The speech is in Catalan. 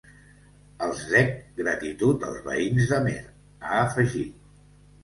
Els dec gratitud als veïns d’Amer, ha afegit.